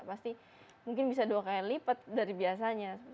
pasti mungkin bisa dua kali lipat dari biasanya